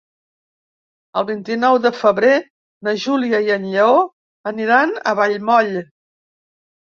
El vint-i-nou de febrer na Júlia i en Lleó aniran a Vallmoll.